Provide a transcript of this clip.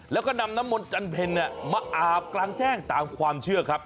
แล้วก็นำน้ำมนต์จันเพ็ญมาอาบกลางแจ้งตามความเชื่อครับ